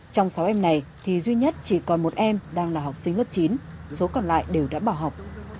trong sáu em này thì duy nhất chỉ còn một em đang là học sinh lớp chín số còn lại đều đã bỏ học